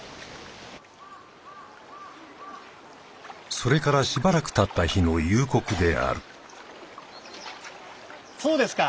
それからしばらく経った日の夕刻であるそうですか。